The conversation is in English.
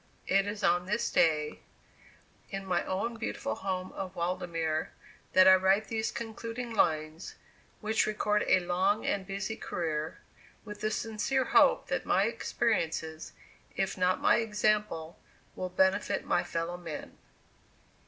It is on this day, in my own beautiful home of Waldemere, that I write these concluding lines, which record a long and busy career, with the sincere hope that my experiences, if not my example, will benefit my fellow men.